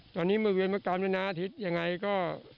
ตอนนี้มันเวียนมากกันวันหน้าทิศยังไงก็